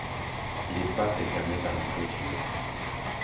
l'espace est fermé par une cloture